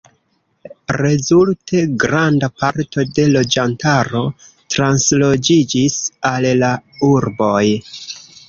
Rezulte, granda parto de loĝantaro transloĝiĝis al la urboj.